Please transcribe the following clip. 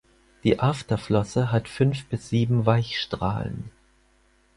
Die Afterflosse hat fünf bis sieben Weichstrahlen.